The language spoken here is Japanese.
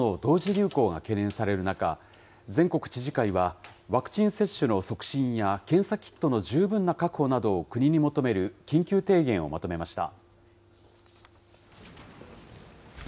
流行が懸念される中、全国知事会は、ワクチン接種の促進や検査キットの十分な確保などを国に求める緊急提言をまとめました。